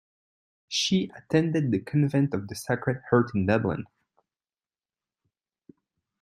She attended the Convent of the Sacred Heart in Dublin.